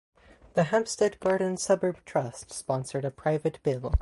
The Hampstead Garden Suburb Trust sponsored a private bill.